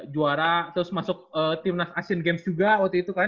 juara terus masuk timnas asian games juga waktu itu kan